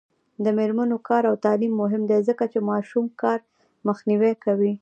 د میرمنو کار او تعلیم مهم دی ځکه چې ماشوم کار مخنیوی کوي.